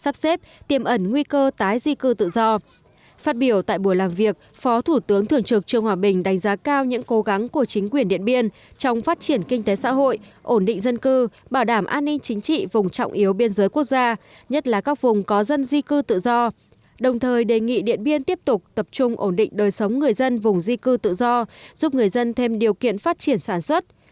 phó thủ tướng thượng trực trương hòa bình đánh giá cao những cố gắng của chính quyền điện biên trong phát triển kinh tế xã hội ổn định dân cư bảo đảm an ninh chính trị vùng trọng yếu biên giới quốc gia nhất là các vùng có dân di cư tự do đồng thời đề nghị điện biên tiếp tục tập trung ổn định đời sống người dân vùng di cư tự do giúp người dân thêm điều kiện phát triển sản xuất